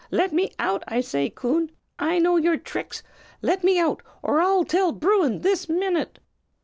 let me out, I say! Coon, I know your tricks; let me out, or I'll tell Bruin this minute!"